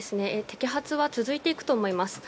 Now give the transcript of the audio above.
摘発は続いていくと思います。